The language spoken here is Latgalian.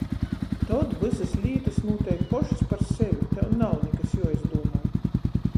Tod vysys lītys nūteik pošys par sevi, tev nav nikas juoizdūmoj.